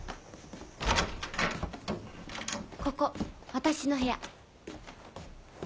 ここ私の部屋。